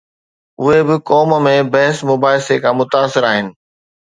اهي به قوم ۾ بحث مباحثي کان متاثر آهن.